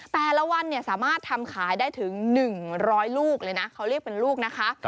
แต่ละวันสามารถทำขายได้ถึง๑๐๐ลูกเลยนะเขาเรียกเป็นลูกนะคะ